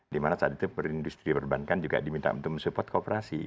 dimana saat itu perindustri perbankan juga diminta untuk mensupport kooperasi